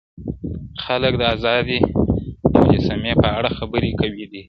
خلک د ازادۍ مجسمې په اړه خبري کوي ډېر,